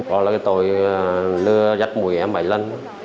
đó là cái tội lừa giấc mùi em bảy lần